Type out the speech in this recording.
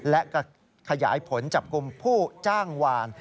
และก็ขยายผลจับกลุ่มผู้จ้างวาน